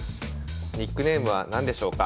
ニックネームは何でしょうか？